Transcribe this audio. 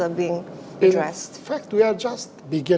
sebenarnya kita baru saja mulai